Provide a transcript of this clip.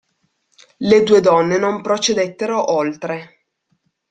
Le due donne non procedettero oltre.